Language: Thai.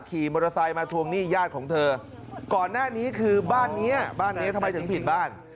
ขี่มอเตอร์ไซค์มาทวงหนี้ญาติของเธอก่อนหน้านี้คือบ้านเนี้ยบ้านเนี้ยทำไมถึงผิดบ้าน